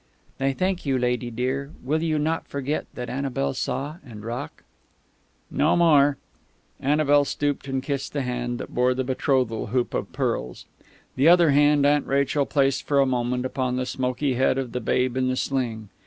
"They thank you, lady dear.... Will you not forget that Annabel saw, and rock?" "No more." Annabel stooped and kissed the hand that bore the betrothal hoop of pearls. The other hand Aunt Rachel placed for a moment upon the smoky head of the babe in the sling.